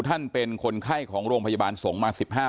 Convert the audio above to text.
ท่านเป็นคนไข้ของโรงพยาบาลสงฆ์มา๑๕